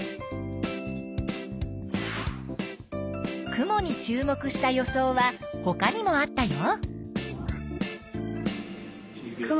雲に注目した予想はほかにもあったよ。